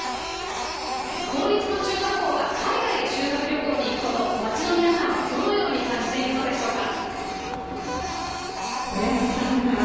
公立の中学校が海外へ修学旅行に行くこと、街の皆さんはどのように感じているのでしょうか。